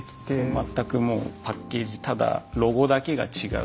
全くもうパッケージただロゴだけが違うっていう状況に。